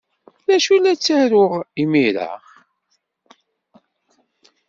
D acu la ttaruɣ imir-a?